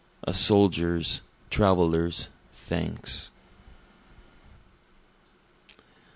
a soldier's, traveler's thanks.